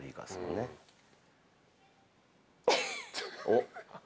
おっ？